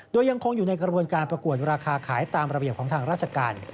โดยยังคงอยู่ในกระบวนการประกวดราคาขายตามระเบียบของทางราชการ